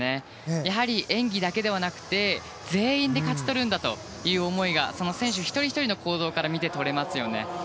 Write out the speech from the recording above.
やはり演技だけではなくて全員で勝ち取るんだという思いがその選手一人ひとりの行動から見て取れますね。